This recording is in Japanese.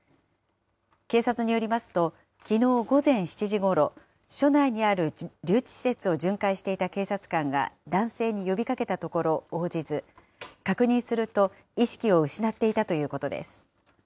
警察によりますと、きのう午前７時ごろ、署内にある留置施設を巡回していた警察官が男性に呼びかけたところ、応じず、確認すると、意識を失っていたということです。